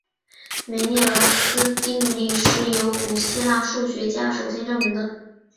梅涅劳斯定理是由古希腊数学家首先证明的。